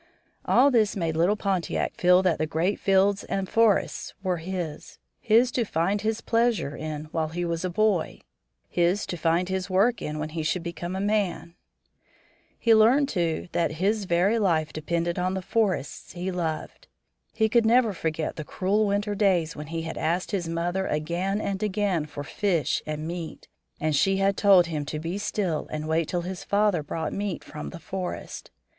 All this made little Pontiac feel that the great fields and forests were his his to find his pleasure in while he was a boy; his to find his work in when he should become a man. He learned, too, that his very life depended on the forests he loved. He could never forget the cruel winter days when he had asked his mother again and again for fish and meat, and she had told him to be still and wait till his father brought meat from the forest.